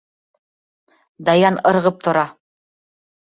Даян ырғып тора.